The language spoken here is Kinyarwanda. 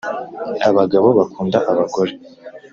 Abagabo bakunda abagore.